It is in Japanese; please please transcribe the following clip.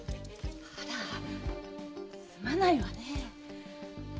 あらすまないわね。